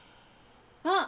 あっ！